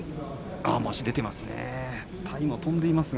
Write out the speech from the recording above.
足が出ていますね。